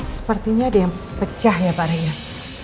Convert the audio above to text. sepertinya ada yang pecah ya pak reyan